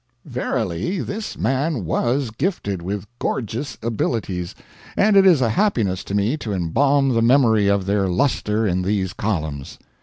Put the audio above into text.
Verily, this man WAS gifted with "gorgis abilities," and it is a happiness to me to embalm the memory of their luster in these columns.